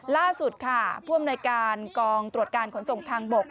ล่าสุดค่ะผู้อำนวยการกองตรวจการขนส่งทางบก